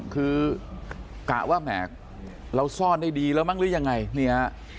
คือกะว่าแหมเราซ่อนได้ดีแล้วมั้งหรือยังไงนี่ฮะ